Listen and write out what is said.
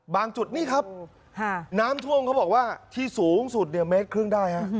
จุดนี่ครับน้ำท่วมเขาบอกว่าที่สูงสุดเนี่ยเมตรครึ่งได้ฮะ